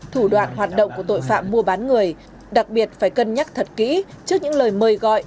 thủ đoạn hoạt động của tội phạm mua bán người đặc biệt phải cân nhắc thật kỹ trước những lời mời gọi